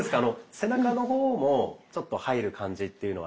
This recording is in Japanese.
背中の方もちょっと入る感じというのは。